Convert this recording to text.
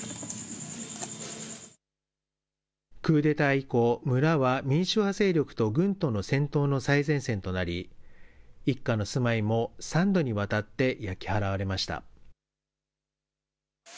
クーデター以降、村は民主派勢力と軍との戦闘の最前線となり、一家の住まいも３度にわたって焼き払われました。